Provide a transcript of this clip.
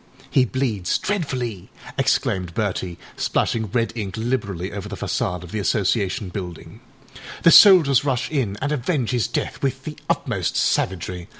â âHe bleeds dreadfully,â exclaimed Bertie, splashing red ink liberally over the façade of the Association building. âThe soldiers rush in and avenge his death with the utmost savagery.